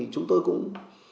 chúng tôi cũng